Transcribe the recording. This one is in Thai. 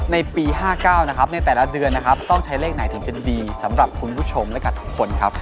ในปี๕๙ในแต่ละเดือนต้องใช้เลขไหนถึงจะดีสำหรับคุณผู้ชมและทุกคน